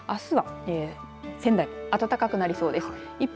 あすは仙台暖かくなりそうです。